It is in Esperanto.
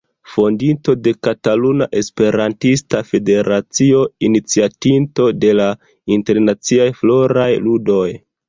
Fondinto de Kataluna Esperantista Federacio, iniciatinto de la Internaciaj Floraj Ludoj.